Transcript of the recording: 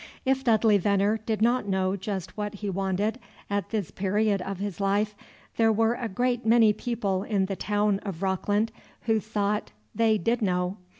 If Dudley Veneer did not know just what he wanted at this period of his life, there were a great many people in the town of Rockland who thought they did know.